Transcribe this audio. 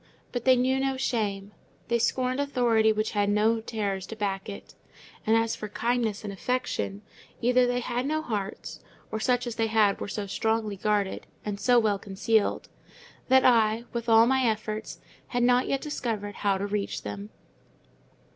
But they knew no shame; they scorned authority which had no terrors to back it; and as for kindness and affection, either they had no hearts, or such as they had were so strongly guarded, and so well concealed, that I, with all my efforts, had not yet discovered how to reach them.